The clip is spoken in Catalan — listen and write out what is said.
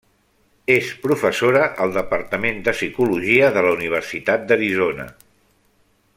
És professora al departament de psicologia de la universitat d'Arizona.